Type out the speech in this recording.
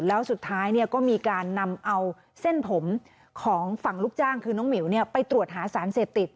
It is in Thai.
แล้วสุดท้ายก็มีการนำเอาเส้นผมของฝั่งลูกจ้างคือน้องหมิวไปตรวจหาสารเสพติด